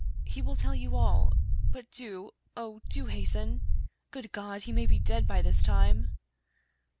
" He will tell you all. But do, oh, do hasten I Good God ! he may be dead by this time